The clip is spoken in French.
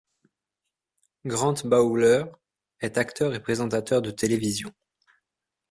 Grant Bowler est acteur et présentateur de télévision.